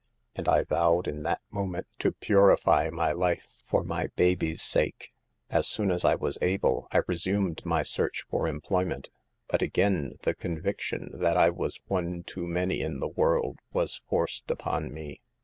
And I vowed in that moment to purify my life for my baby's sake. "'As soon as I was able I resumed my search for employment ; but again the convic tion that I was one too many in the world was forced upon me.